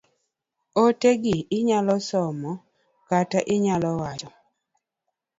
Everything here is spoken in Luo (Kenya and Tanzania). Ote gi inyalo som kata inyalo wachi.